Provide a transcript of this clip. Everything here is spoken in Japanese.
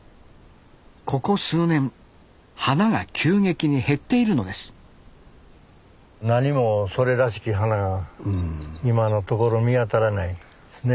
ここ数年花が急激に減っているのです何もそれらしき花が今のところ見当たらないですね。